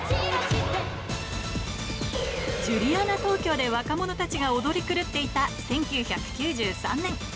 ジュリアナ東京で若者たちが踊り狂っていた１９９３年。